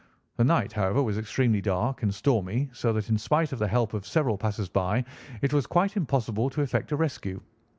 The night, however, was extremely dark and stormy, so that, in spite of the help of several passers by, it was quite impossible to effect a rescue.